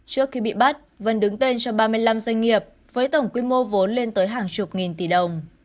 trước khi bị bắt vân đứng tên cho ba mươi năm doanh nghiệp với tổng quy mô vốn lên tới hàng chục nghìn tỷ đồng